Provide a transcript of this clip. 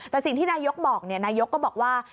แต่สิ่งที่นายกบอกนายกก็บอกว่า